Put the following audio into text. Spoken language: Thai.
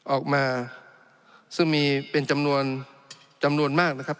ออกมาซึ่งมีเป็นจำนวนจำนวนมากนะครับ